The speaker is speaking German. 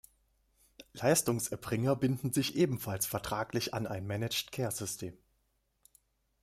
Leistungserbringer binden sich ebenfalls vertraglich an ein Managed-Care-System.